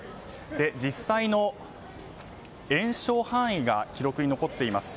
実際の延焼範囲が記録に残っています。